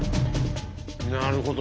なるほど。